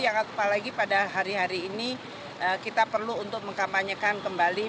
yang apalagi pada hari hari ini kita perlu untuk mengkampanyekan kembali